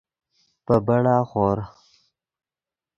پے بڑا خور